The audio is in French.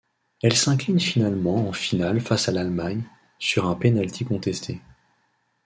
Elle s'incline finalement en finale face à l'Allemagne, sur un pénalty contesté.